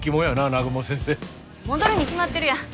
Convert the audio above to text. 南雲先生戻るに決まってるやん